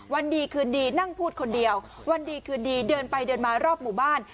วันดีคืนดีนั่งพูดคนเดียววันดีคืนดีเดินไปเดินมารอบหมู่บ้าน